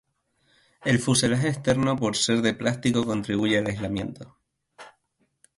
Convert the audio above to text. El fuselaje externo por ser de plástico contribuye al aislamiento.